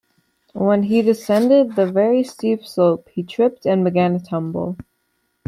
When he descended the very steep slope, he tripped and began a tumble.